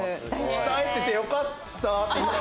鍛えててよかった！